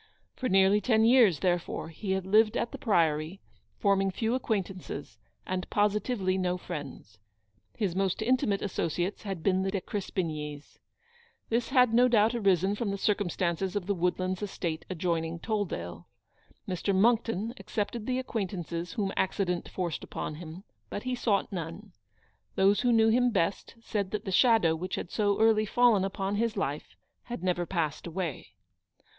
For nearly ten years, therefore, he had lived at the Priory, forming few acquaintances, and positively no friends. His most intimate asso ciates had been the De Crespignys. This had no doubt arisen from the circumstance of the Wood lands estate adjoining Tolldale. Mr. Monckton accepted the acquaintances whom accident forced upon him, but he sought none. Those who knew him best said that the shadow which had so early fallen upon his life had never passed away.